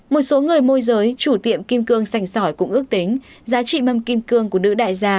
một số người môi giới chủ tiệm kim cương sành sỏi cũng ước tính giá trị mâm kim cương của nữ đại gia